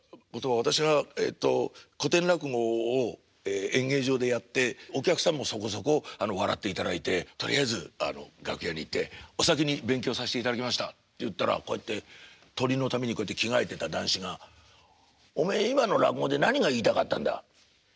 私がえっと古典落語を演芸場でやってお客さんもそこそこ笑っていただいてとりあえず楽屋に行って「お先に勉強さしていただきました」って言ったらこうやってトリのために着替えてた談志が「おめえ今の落語で何が言いたかったんだ？」。